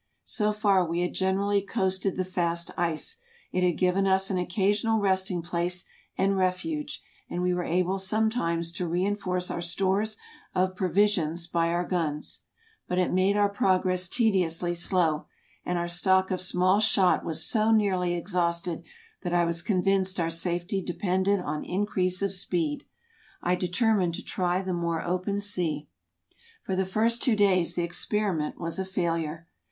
So far we had generally coasted the fast ice ; it had given us an occasional resting place and refuge, and we were able sometimes to reinforce our stores of provisions by our guns. But it made our progress tediously slow, and our stock of small shot was so nearly exhausted that I was convinced our safety depended on increase of speed. I determined to try the more open sea. For the first two days the experiment was a failure.